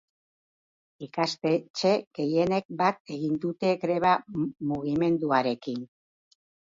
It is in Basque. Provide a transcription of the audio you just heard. Ikastetxe gehienek bat egin dute greba mugimenduarekin.